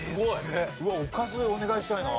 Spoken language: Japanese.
うわっおかずお願いしたいな。